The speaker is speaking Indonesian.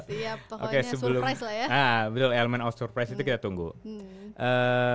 pokoknya surprise lah ya